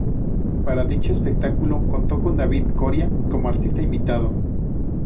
Para dicho espectáculo, contó con David Coria como artista invitado.